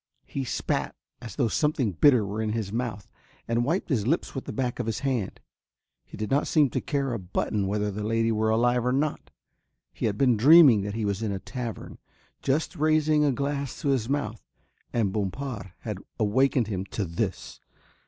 He spat as though something bitter were in his mouth and wiped his lips with the back of his hand. He did not seem to care a button whether the lady were alive or not. He had been dreaming that he was in a tavern, just raising a glass to his mouth, and Bompard had awakened him to this.